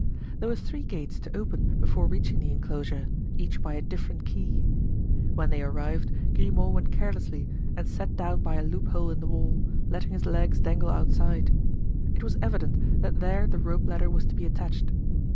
There were three gates to open before reaching the inclosure, each by a different key. When they arrived Grimaud went carelessly and sat down by a loophole in the wall, letting his legs dangle outside. It was evident that there the rope ladder was to be attached.